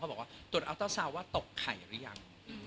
บอกว่าตรวจอัลเตอร์ซาวน์ว่าตกไข่หรือยัง